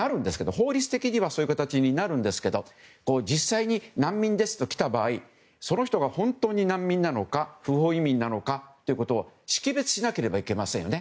法律的にはそういう形になるんですけど実際に難民ですと来た場合その人が本当に難民なのか不法移民なのかということを識別しなければいけませんよね。